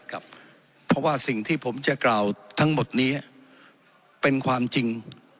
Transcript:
ครับเพราะว่าสิ่งที่ผมจะกล่าวทั้งหมดนี้เป็นความจริง